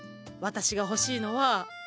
私が欲しいのは。